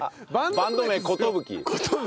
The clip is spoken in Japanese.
バンド名寿？